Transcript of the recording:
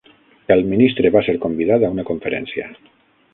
El ministre va ser convidat a una conferència